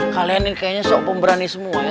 kalian ini kayaknya so pemberani semua ya